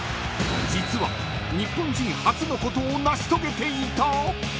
［実は日本人初のことを成し遂げていた？］